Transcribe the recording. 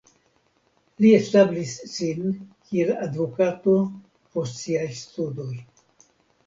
Li establis sin kiel advokato post siaj studoj.